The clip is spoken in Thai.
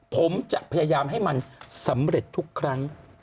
ผมจะพยายามให้มันสำเร็จทุกครั้ง